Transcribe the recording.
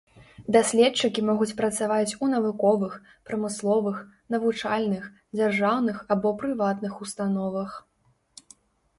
Даследчыкі могуць працаваць у навуковых, прамысловых, навучальных, дзяржаўных або прыватных установах.